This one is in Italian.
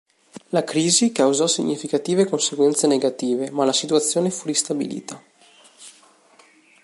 La crisi causò significative conseguenze negative, ma la situazione fu ristabilita.